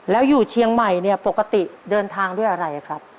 แล้วอยู่เชียงใหม่เนี่ยปกติเดินทางด้วยอะไรครับ